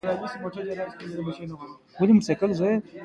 ګلران دښتې څومره پراخې دي؟